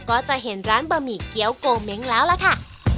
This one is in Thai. ก็จะเห็นร้านบะหมี่เกี้ยวโกเม้งแล้วล่ะค่ะ